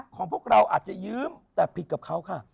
ของพวกเราอาจจะยืมแต่ผิดกับเขาค่ะ